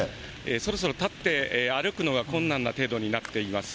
そろそろ立って歩くのが困難な程度になっています。